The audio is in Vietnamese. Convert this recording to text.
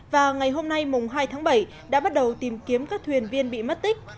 và ngày hôm nay mùng hai tháng bảy đã bắt đầu tìm kiếm các thuyền viên bị mất tích